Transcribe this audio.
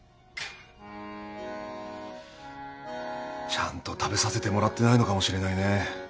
ちゃんと食べさせてもらってないのかもしれないね。